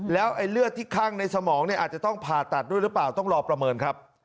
แล้วไอ้เลือดที่คั่งในสมองเนี่ยอาจจะต้องผ่าตัดด้วยหรือเปล่าต้องรอประเมินครับ